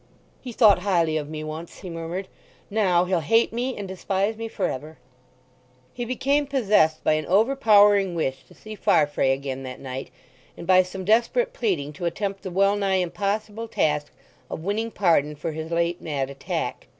"He thought highly of me once," he murmured. "Now he'll hate me and despise me for ever!" He became possessed by an overpowering wish to see Farfrae again that night, and by some desperate pleading to attempt the well nigh impossible task of winning pardon for his late mad attack.